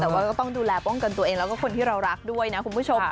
แต่ว่าก็ต้องดูแลป้องกันตัวเองแล้วก็คนที่เรารักด้วยนะคุณผู้ชม